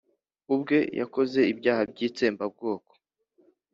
ubwe yakoze ibyaha by'itsembabwoko.